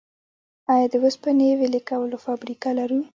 آیا د وسپنې ویلې کولو فابریکه لرو؟